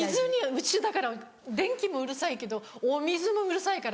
うちだから電気もうるさいけどお水もうるさいから。